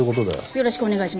よろしくお願いします。